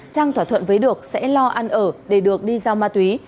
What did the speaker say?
trang thỏa thuận với được sẽ lo ăn ở để được đi giao ma túy